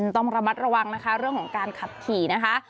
ต้องระมัดระวังนะคะเรื่องของการขับขี่นะคะ